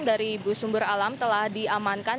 dari bus sumber alam telah diamankan